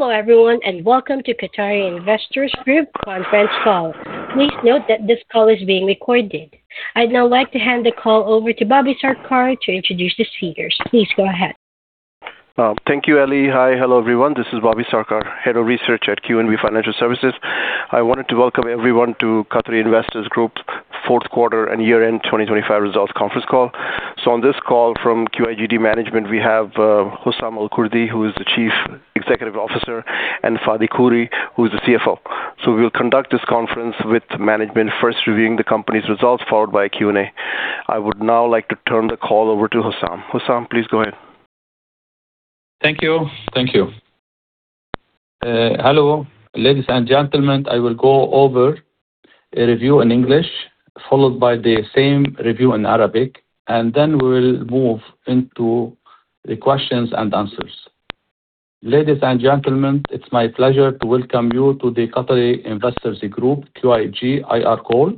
Hello everyone, and welcome to Qatari Investors Group Conference Call. Please note that this call is being recorded. I'd now like to hand the call over to Bobby Sarkar to introduce the speakers. Please go ahead. Thank you, Ellie. Hi. Hello, everyone. This is Bobby Sarkar, Head of Research at QNB Financial Services. I wanted to welcome everyone to Qatari Investors Group's fourth quarter and year-end 2025 results conference call. So on this call from QIG management, we have, Hossam El Kurdi, who is the Chief Executive Officer, and Fadi Khoury, who is the CFO. So we will conduct this conference with management, first reviewing the company's results, followed by a Q&A. I would now like to turn the call over to Hossam. Hossam, please go ahead. Thank you. Thank you. Hello, ladies and gentlemen, I will go over a review in English, followed by the same review in Arabic, and then we will move into the questions and answers. Ladies and gentlemen, it's my pleasure to welcome you to the Qatari Investors Group, QIG, IR call.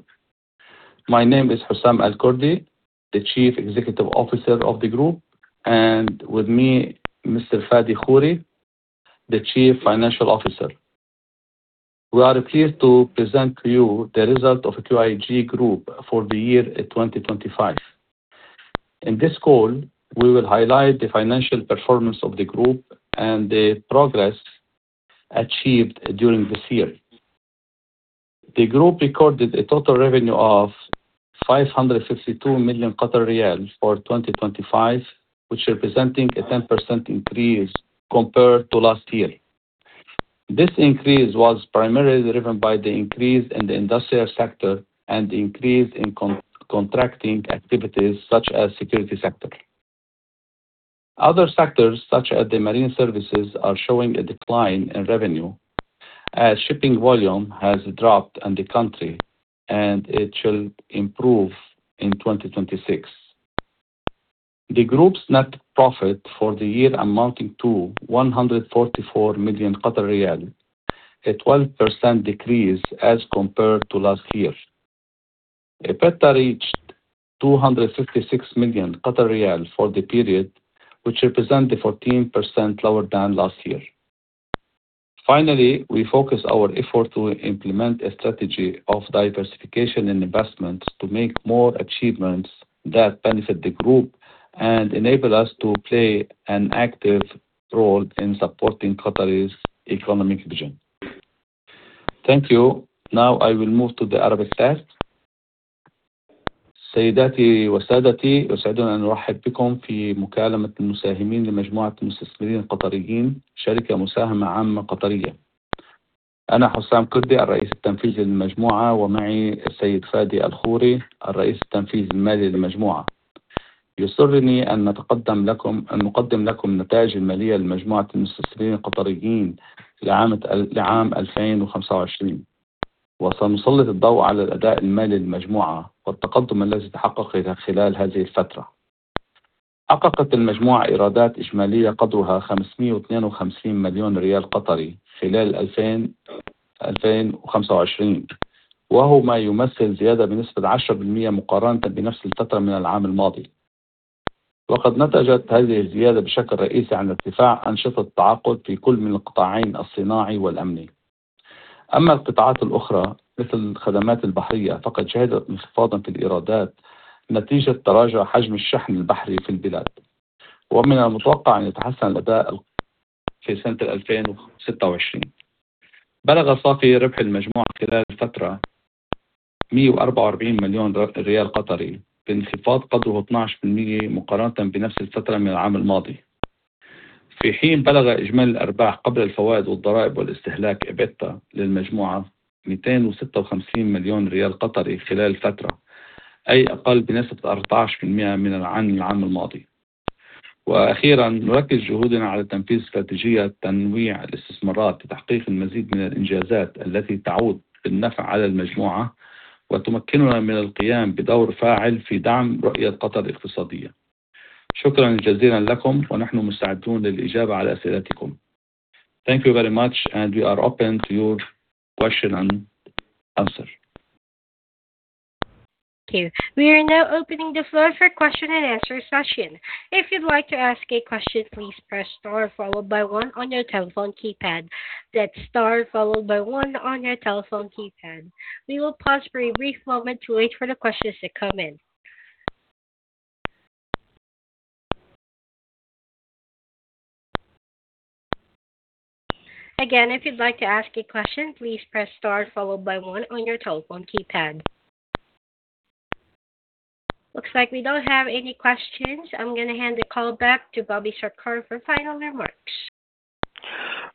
My name is Hossam El Kurdi, the Chief Executive Officer of the group, and with me, Mr. Fadi Khoury, the Chief Financial Officer. We are pleased to present to you the result of QIG Group for the year 2025. In this call, we will highlight the financial performance of the group and the progress achieved during this year. The group recorded a total revenue of 552 million riyal for 2025, which representing a 10% increase compared to last year. This increase was primarily driven by the increase in the industrial sector and the increase in contracting activities such as security sector. Other sectors, such as the marine services, are showing a decline in revenue as shipping volume has dropped in the country, and it shall improve in 2026. The group's net profit for the year amounting to 144 million riyal, a 12% decrease as compared to last year. EBITDA reached 256 million riyal for the period, which represent a 14% lower than last year. Finally, we focus our effort to implement a strategy of diversification and investment to make more achievements that benefit the group and enable us to play an active role in supporting Qatar's economic vision. Thank you. Now I will move to the Arabic part. Thank you very much, and we are open to your question and answer. Thank you. We are now opening the floor for question and answer session. If you'd like to ask a question, please press star followed by one on your telephone keypad. That's star followed by one on your telephone keypad. We will pause for a brief moment to wait for the questions to come in. Again, if you'd like to ask a question, please press star followed by one on your telephone keypad. Looks like we don't have any questions. I'm gonna hand the call back to Bobby Sarkar for final remarks.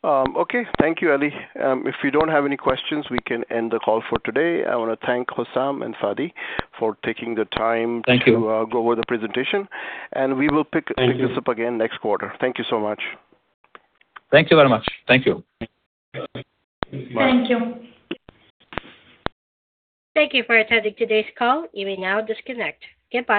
Okay. Thank you, Ellie. If we don't have any questions, we can end the call for today. I wanna thank Hossam and Fadi for taking the time. Thank you. To go over the presentation, and we will pick. Thank you. Pick this up again next quarter. Thank you so much. Thank you very much. Thank you. Thank you. Thank you for attending today's call. You may now disconnect. Goodbye.